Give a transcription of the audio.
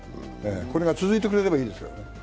これが続いてくれればいいですよね。